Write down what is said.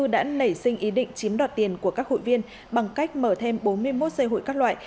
đã nảy sinh ý định chiếm đoạt tiền của các hội viên bằng cách mở thêm bốn mươi một dây hụi các loại